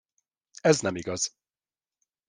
Ez nem igaz.